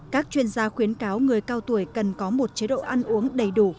các chuyên gia khuyến cáo người cao tuổi cần có một chế độ ăn uống đầy đủ